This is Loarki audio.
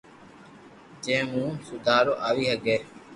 جي مون سودارو آوي ھگي